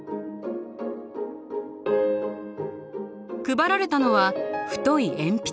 配られたのは太い鉛筆。